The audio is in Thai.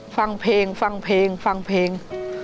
ฟังเพลงฟังเพลงฟังเพลง